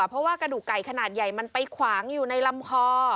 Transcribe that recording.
เพราะว่ากระดูกไก่ขนาดใหญ่มันไปขวางอยู่ในลำคอ